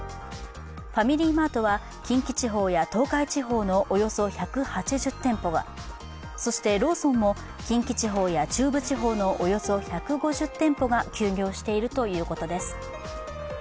ファミリーマートは近畿地方や東海地方のおよそ１８０店舗がそして、ローソンも近畿地方や中部地方のおよそ１５０店舗が休業しているということです。